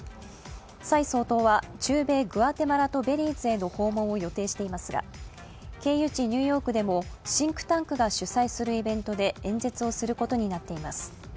蔡総統は中米グアテマラとベリーズへの訪問を予定していますが、経由地ニューヨークでも、シンクタンクが主催するイベントで演説をすることになっています。